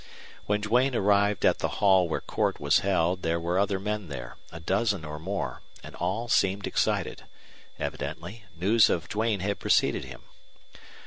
When Duane arrived at the hall where court was held there were other men there, a dozen or more, and all seemed excited; evidently, news of Duane had preceded him.